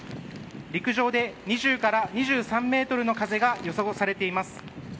陸上で２０から２３メートルの風が予想されています。